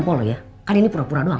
gue tampol ya kan ini pura pura doang